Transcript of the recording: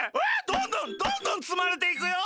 どんどんどんどんつまれていくよ。